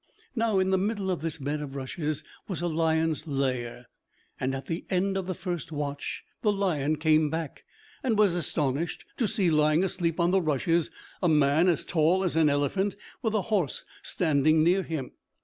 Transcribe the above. Now in the middle of this bed of rushes was a lion's lair, and at the end of the first watch the lion came back, and was astonished to see lying asleep on the rushes a man as tall as an elephant, with a horse standing near him.